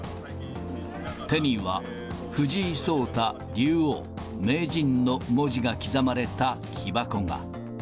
手には藤井聡太竜王名人の文字が刻まれた木箱が。